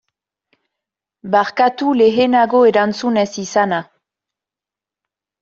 Barkatu lehenago erantzun ez izana.